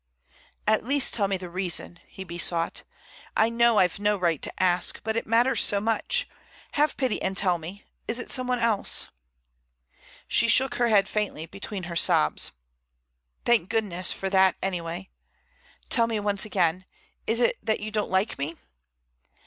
"At least tell me the reason," he besought. "I know I've no right to ask, but it matters so much. Have pity and tell me, is it someone else?" She shook her head faintly between her sobs. "Thank goodness for that anyway. Tell me once again. Is it that you don't like me?"